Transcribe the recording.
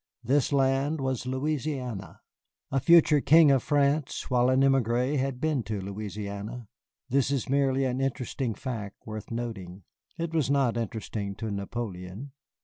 This land was Louisiana. A future king of France, while an émigré, had been to Louisiana. This is merely an interesting fact worth noting. It was not interesting to Napoleon.